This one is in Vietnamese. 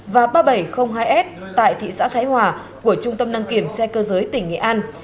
và ba nghìn bảy trăm linh hai s tại thị xã thái hòa của trung tâm đăng kiểm xe cơ giới tỉnh nghệ an